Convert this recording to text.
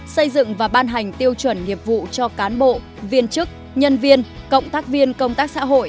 xây dựng và ban hành tiêu chuẩn nghiệp vụ cho cán bộ viên chức nhân viên cộng tác viên công tác xã hội